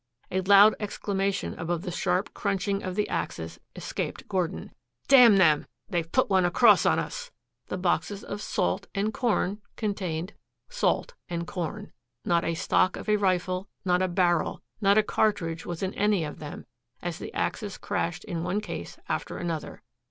A loud exclamation above the sharp crunching of the axes escaped Gordon. "Damn them! They've put one across on us!" The boxes of "salt" and "corn" contained salt and corn. Not a stock of a rifle, not a barrel, not a cartridge was in any of them as the axes crashed in one case after another.